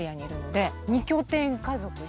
２拠点家族で。